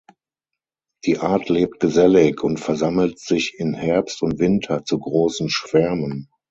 Die Art lebt gesellig und versammelt sich in Herbst und Winter zu großen Schwärmen.